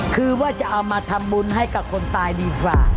คือว่าจะเอามาทำบุญให้คนตายดี